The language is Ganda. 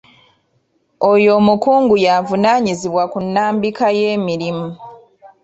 Oyo omukungu y'avunaanyizibwa ku nnambika y'emirimu.